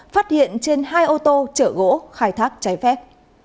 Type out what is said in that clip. phát hiện trên hai ô tô chở gỗ khai thác trái phép